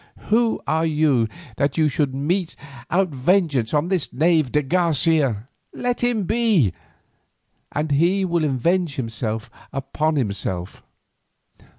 Who are you that you should mete out vengeance on this knave de Garcia? Let him be, and he will avenge himself upon himself.